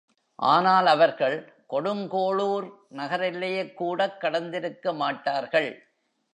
ஆனால் அவர்கள் கொடுங்கோளூர் நகரெல்லையைக்கூடக் கடந்திருக்கமாட்டார்கள்.